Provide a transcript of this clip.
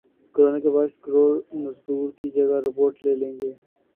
corona کے باعث کروڑ مزدوروں کی جگہ روبوٹ لے لیں گے